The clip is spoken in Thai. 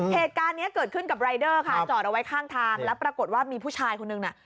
เหตุการณ์นี้เกิดขึ้นกับรายเดอร์ค่ะจอดเอาไว้ข้างทางแล้วปรากฏว่ามีผู้ชายคนนึงน่ะ